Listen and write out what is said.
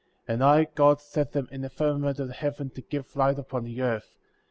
And I, God, set them in the firmament of the heaven to give light upon the earth ; 18.